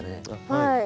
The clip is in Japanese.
はい。